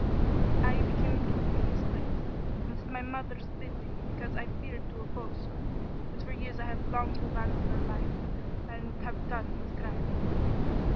I became duke in his place, and did my mother's bidding because I feared to oppose her. But for years I have longed to abandon the life and have done with crime.